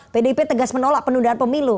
pdip tegas menolak penundaan pemilu